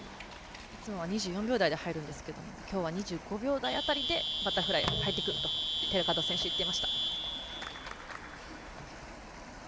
いつもは２４秒台で入るんですけどきょうは２５秒台辺りで入ると寺門選手、言っていました。